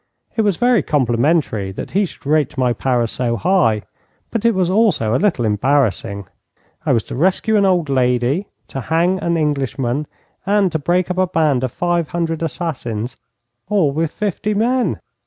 It was very complimentary that he should rate my powers so high, but it was also a little embarrassing. I was to rescue an old lady, to hang an Englishman, and to break up a band of five hundred assassins all with fifty men.